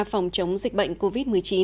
phòng chống dịch bệnh covid một mươi chín